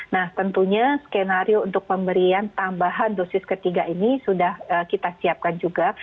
nah tentunya skenario untuk pemberian tambahan dosis ketiga ini sudah kita siapkan juga